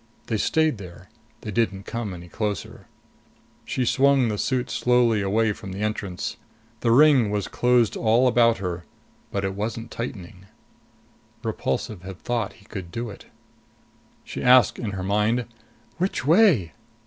They stayed there. They didn't come any closer. She swung the suit slowly away from the entrance. The ring was closed all about her. But it wasn't tightening. Repulsive had thought he could do it. She asked in her mind, "Which way?"